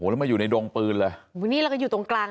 โหแล้วมาอยู่ในดงปืนแหละโหนี่เราก็อยู่ตรงกลาง